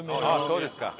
そうですか。